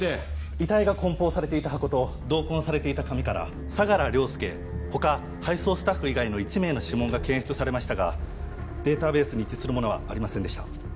遺体が梱包されていた箱と同梱されていた紙から相良凌介他配送スタッフ以外の１名の指紋が検出されましたがデータベースに一致するものはありませんでした。